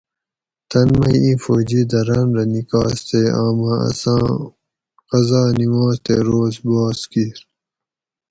تۤن مئی اِیں فوجی دراۤن رہ نِکاس تے آمہ اساں قضا نماز تے روز باس کِیر